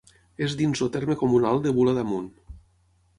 És dins el terme comunal de Bula d'Amunt.